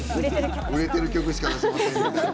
売れてる曲しか流しませんみたいな。